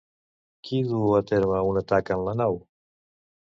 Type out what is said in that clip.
Qui duu a terme un atac en la nau?